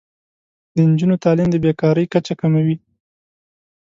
د نجونو تعلیم د بې کارۍ کچه کموي.